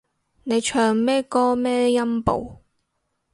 你唱咩歌咩音部